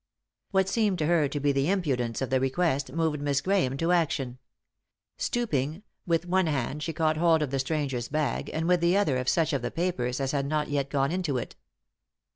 What seemed to her to be the impudence of the request moved Miss Grahame to action. Stooping, with one hand she caught hold of the stranger's bag and with the other of such of the papers as had not yet gone into it.